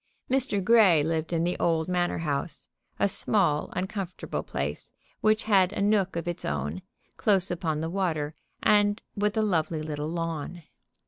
Mr. Grey lived in the old Manor house, a small, uncomfortable place, which had a nook of its own, close upon the water, and with a lovely little lawn.